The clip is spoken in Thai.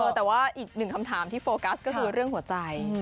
แต่ว่าอีกหนึ่งคำถามที่โฟกัสก็คือเรื่องหัวใจ